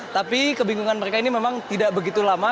tapi kebingungan mereka ini memang tidak begitu lama